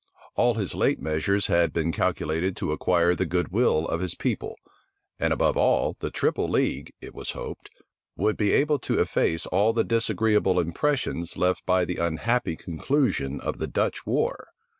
All his late measures had been calculated to acquire the good will of his people; and, above all, the triple league, it was hoped, would be able to efface all the disagreeable impressions left by the unhappy conclusion of the Dutch war.